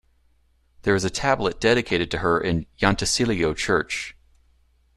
There is a tablet dedicated to her in Llantysilio Church.